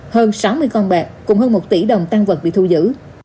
hơn sáu mươi con bạc cùng hơn một tỷ đồng tăng vật bị thu giữ